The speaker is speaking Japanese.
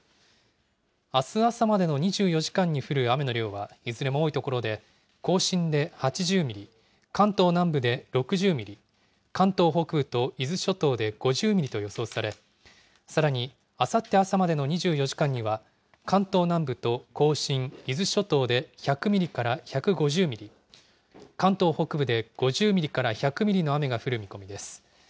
あす朝までの２４時間に降る雨の量は、いずれも多い所で甲信で８０ミリ、関東南部で６０ミリ、関東北部と伊豆諸島で５０ミリと予想され、さらに、あさって朝までの２４時間には、関東南部と甲信、伊豆諸島で１００ミリから１５０ミリ、関東北部で５０ミリから１００ミリの雨が降る見込みです。